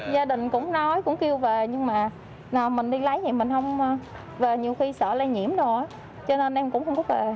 gia đình cũng nói cũng kêu về nhưng mà mình đi lấy thì mình không về nhiều khi sợ lại nhiễm đồ cho nên em cũng không có về